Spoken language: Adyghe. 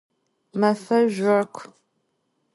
Mefe zjorkh.